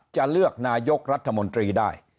จะเลือกนายกรัฐมนตรีได้